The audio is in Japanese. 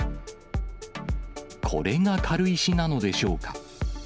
これが軽石なのでしょうか。